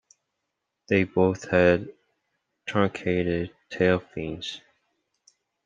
They both had truncated tail fins.